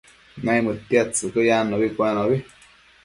naimëdtiadtsëcquio yannubi cuenobi